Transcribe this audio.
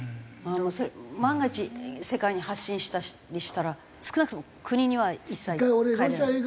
それ万が一世界に発信したりしたら少なくとも国には一切帰れない？